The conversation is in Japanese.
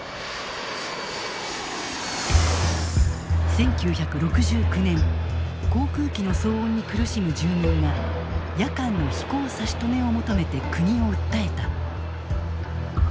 １９６９年航空機の騒音に苦しむ住民が夜間の飛行差し止めを求めて国を訴えた。